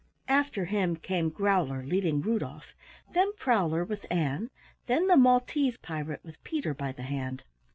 After him came Growler leading Rudolf, then Prowler with Ann, then the Maltese pirate with Peter by the hand.